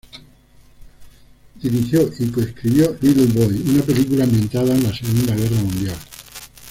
Dirigió y co-escribió "Little Boy", una película ambientada en la Segunda Guerra Mundial.